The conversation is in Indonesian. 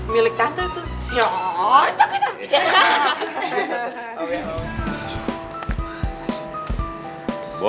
milik tante tuh cocok kita